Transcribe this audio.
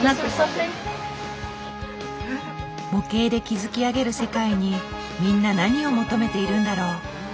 模型で築き上げる世界にみんな何を求めているんだろう。